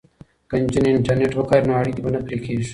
که نجونې انټرنیټ وکاروي نو اړیکې به نه پرې کیږي.